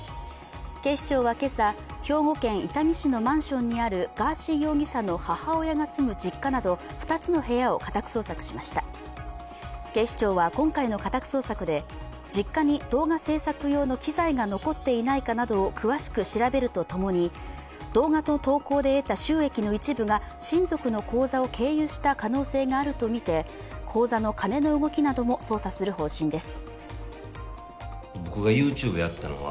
警視庁は今朝、兵庫県伊丹市のマンションにあるガーシー容疑者の母親が住む実家など２つの部屋を家宅捜索しました警視庁は今回の家宅捜索で、実家に動画制作用の機材が残っていないかなどを詳しく調べるとともに動画投稿で得た収益の一部が親族の口座を経由した可能性があるとみて、口座の金の動きなども捜査する方針です。